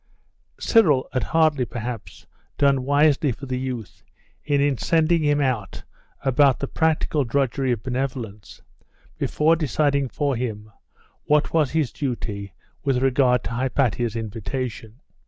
Cyril had hardly, perhaps, done wisely for the youth in sending him out about the practical drudgery of benevolence, before deciding for him what was his duty with regard to Hypatia's invitation.